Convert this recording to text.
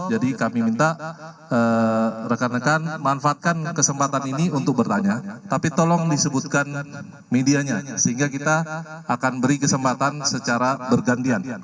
jadi kami minta rekan rekan manfaatkan kesempatan ini untuk bertanya tapi tolong disebutkan medianya sehingga kita akan beri kesempatan secara bergantian